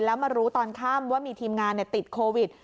แล้วมารู้ตอนค่ำว่ามีทีมงานติดโควิด